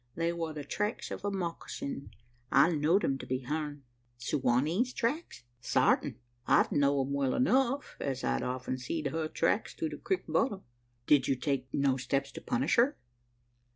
They war the tracks o' a mocassin. I know'd 'em to be hern." "Su wa nee's tracks?" "Sartin. I know'd 'em well enough, as I'd often seed her tracks through the crik bottom." "Did you take no steps to punish her?"